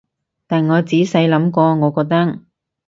但我仔細諗過，我覺得